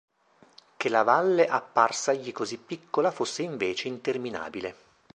Che la valle apparsagli così piccola fosse invece interminabile.